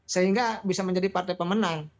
sehingga bisa menjadi partai pemenang